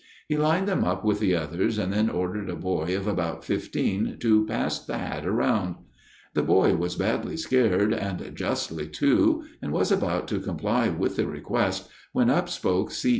He lined them up with the others and then ordered a boy of about fifteen to "pass the hat around." The boy was badly scared, and justly, too, and was about to comply with the request, when up spoke C.